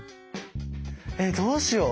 えどうしよう